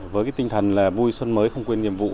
với tinh thần vui xuân mới không quên nhiệm vụ